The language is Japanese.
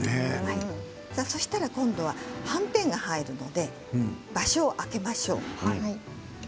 そうしたら今度ははんぺんが入るので場所を空けましょう。